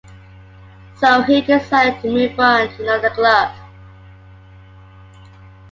So he decided to move on to another club.